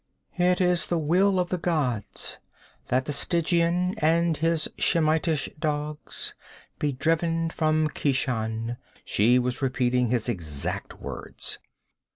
'It is the will of the gods that the Stygian and his Shemitish dogs be driven from Keshan!' She was repeating his exact words.